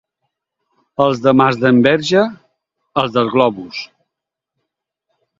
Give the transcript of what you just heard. Els de Masdenverge, els del globus.